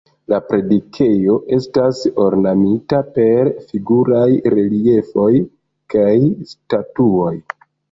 La predikejo estas ornamita per figuraj reliefoj kaj statuoj.